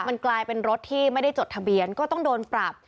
มันกลายเป็นรถที่ไม่ได้จดทะเบียนก็ต้องโดนปรับ